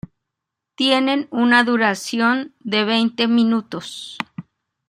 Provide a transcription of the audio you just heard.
Tienen una duración de veinte minutos.